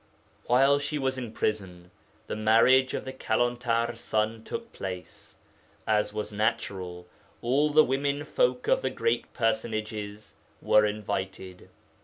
'While she was in prison, the marriage of the Kalantar's son took place. As was natural, all the women folk of the great personages were invited.